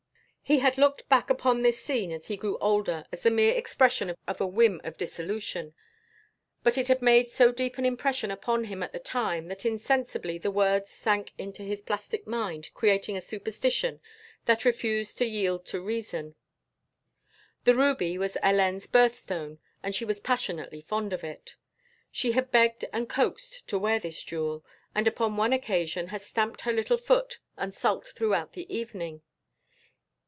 He had looked back upon this scene as he grew older as the mere expression of a whim of dissolution, but it had made so deep an impression upon him at the time that insensibly the words sank into his plastic mind creating a superstition that refused to yield to reason. The ruby was Hélène's birthstone and she was passionately fond of it. She had begged and coaxed to wear this jewel, and upon one occasion had stamped her little foot and sulked throughout the evening.